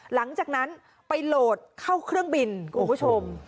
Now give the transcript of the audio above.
หลังจากนั้นไปโหลดเข้าเครื่องบินคุณผู้ชม